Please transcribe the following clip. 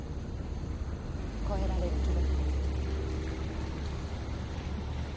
超えられる気がする。